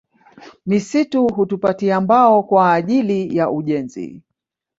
Misitu hutupatia mbao kwaajili ya ujenzi